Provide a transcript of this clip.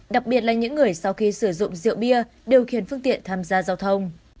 đặc biệt là những người sau khi sử dụng rượu bia điều khiển phương tiện tham gia giao thông